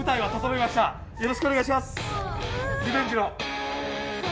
よろしくお願いします。